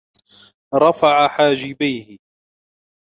رفع حاجبيه.